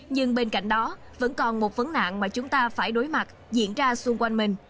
nhưng bên cạnh đó vẫn còn một vấn nạn mà chúng ta phải đối mặt diễn ra xung quanh mình